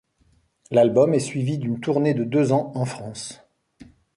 L'album est suivi d'une tournée de deux ans en France.